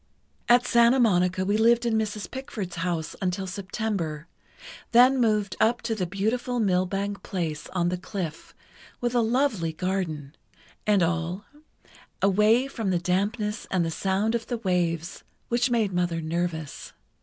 "At Santa Monica we lived in Mrs. Pickford's house until September, then moved up to the beautiful Millbank place on the cliff, with a lovely garden, and all, away from the dampness and the sound of the waves, which made Mother nervous.